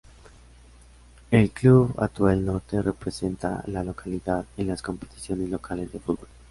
El club Atuel Norte representa a la localidad en las competiciones locales de fútbol.